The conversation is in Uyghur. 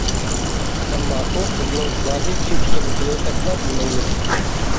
ئەمما ئۇ قىزنىڭ زادى كىم ئىكەنلىكىنى ئەسلا بىلمەيمىز.